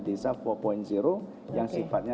desa empat yang sifatnya